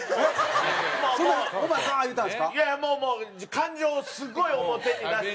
感情をすごい表に出して。